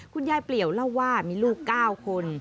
คุณยายเปลี่ยวเล่าว่ามีลูก๙คน